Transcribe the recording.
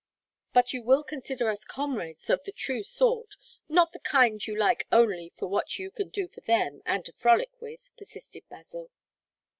"But you will consider us comrades of the true sort; not the kind you like only for what you can do for them and to frolic with," persisted Basil.